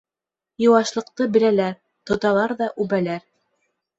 Йыуашлыҡты беләләр, тоталар ҙа үбәләр.